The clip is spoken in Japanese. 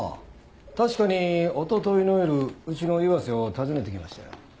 確かにおとといの夜うちの岩瀬を訪ねてきましたよ。